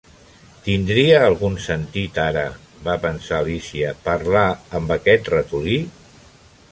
"Tindria algun sentit, ara", va pensar l'Alícia, "parlar amb aquest ratolí?"